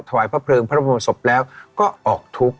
ถวายพระเพลิงพระบรมศพแล้วก็ออกทุกข์